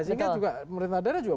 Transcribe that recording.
sehingga juga pemerintah daerah juga